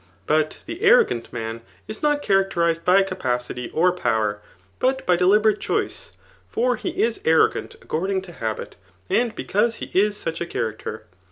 But die arrogant man is not characteriaed by capacity w power, but by deliberate choice; for he is arrogant according to habit, and because he is such a character.